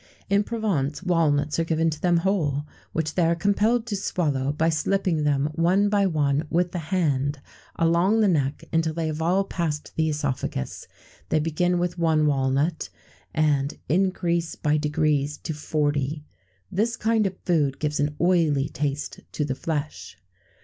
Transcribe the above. In Provence, walnuts are given to them whole, which they are compelled to swallow by slipping them one by one with the hand along the neck until they have all past the œsophagus; they begin with one walnut, and increase by degrees to forty. This kind of food gives an oily taste to the flesh.